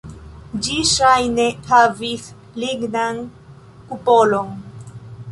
Ĝi ŝajne havis lignan kupolon.